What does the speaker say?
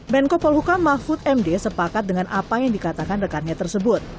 menko polhukam mahfud md sepakat dengan apa yang dikatakan rekannya tersebut